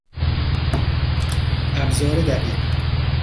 ابزار دقیق